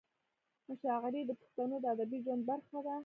مشاعرې د پښتنو د ادبي ژوند برخه ده.